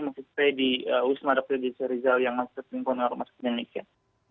mengkutip di uismadapi di israel yang masih tertinggal di rumah klinik